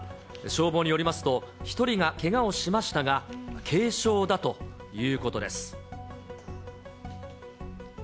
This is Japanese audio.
消防によりますと、１人がけがをしましたが、軽傷だということです。